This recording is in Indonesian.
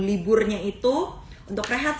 liburnya itu untuk rehat